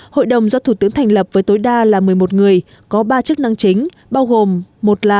hội đồng do thủ tướng thành lập với tối đa là một mươi một người có ba chức năng chính bao gồm là